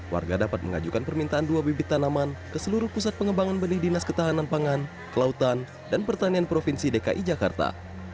warga dapat mengajukan permintaan dua bibit tanaman ke seluruh pusat pengembangan benih dinas ketahanan pangan kelautan dan pertanian provinsi dki jakarta